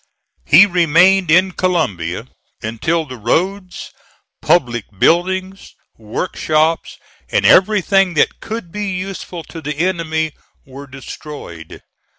He remained in Columbia until the roads, public buildings, workshops and everything that could be useful to the enemy were destroyed.